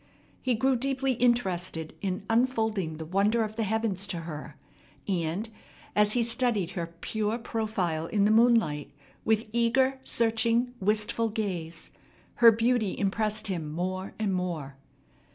He grew deeply interested in unfolding the wonders of the heavens to her; and, as he studied her pure profile in the moonlight with eager, searching, wistful gaze, her beauty impressed him more and more.